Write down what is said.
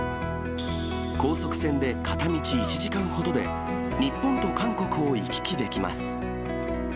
高速船で片道１時間ほどで、日本と韓国を行き来できます。